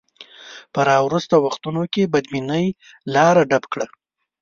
په راوروسته وختونو کې بدبینۍ لاره ډب کړه.